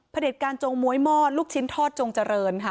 เด็จการจงม้วยหม้อลูกชิ้นทอดจงเจริญค่ะ